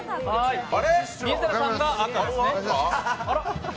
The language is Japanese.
水谷さんが赤ですね。